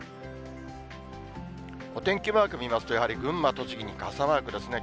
お天気マーク見ますと、やはり群馬、栃木に傘マークですね。